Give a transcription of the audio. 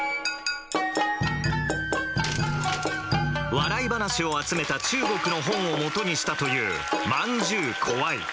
笑い話を集めた中国の本を元にしたという「饅頭怖い」。